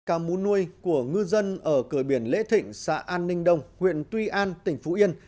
cá mún nuôi của ngư dân ở cửa biển lễ thịnh xã an ninh đông huyện tuy an tỉnh phú yên